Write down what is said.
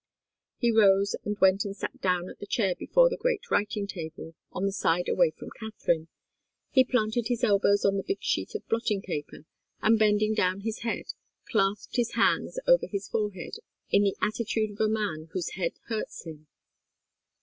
He rose, and went and sat down at the chair before the great writing table, on the side away from Katharine. He planted his elbows on the big sheet of blotting paper, and bending down his head, clasped his hands over his forehead in the attitude of a man whose head hurts him.